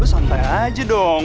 lo santai aja dong